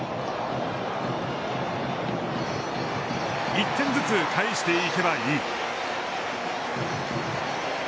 １点ずつ返していけばいい。